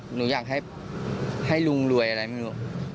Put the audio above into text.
หนูอยากให้ลุงรวยอะไรไม่รู้